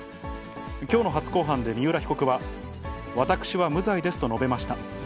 きょうの初公判で三浦被告は、私は無罪ですと述べました。